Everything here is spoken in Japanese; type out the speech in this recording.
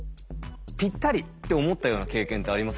ぴったりって思ったような経験ってありますか？